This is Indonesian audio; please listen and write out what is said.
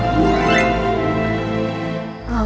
tidak ada dahan